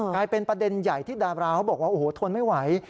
กลายเป็นประเด็นใหญ่ที่ดาบราเขาบอกว่าโอ้โหทนไม่ไหว